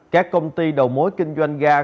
các công ty đầu mối kinh doanh ga